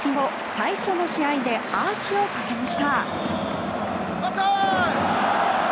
最初の試合でアーチをかけました。